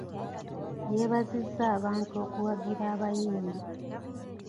Yeebazizza abantu okuwagira abayimbi.